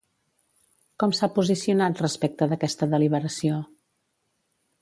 Com s'ha posicionat respecte d'aquesta deliberació?